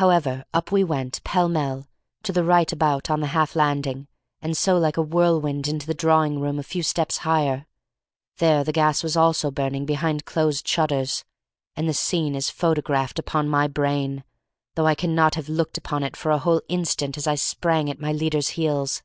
However, up we went pell mell, to the right about on the half landing, and so like a whirlwind into the drawing room a few steps higher. There the gas was also burning behind closed shutters, and the scene is photographed upon my brain, though I cannot have looked upon it for a whole instant as I sprang in at my leader's heels.